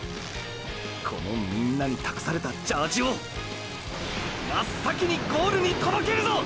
このみんなに託されたジャージを真っ先にゴールに届けるぞ！！